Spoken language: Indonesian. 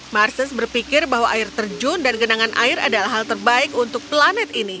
marces berpikir bahwa air terjun dan genangan air adalah hal terbaik untuk planet ini